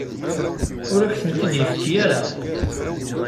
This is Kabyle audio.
Ur ak-tent-id-yefki ara.